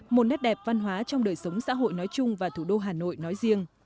một nét đẹp văn hóa trong đời sống xã hội nói chung và thủ đô hà nội nói riêng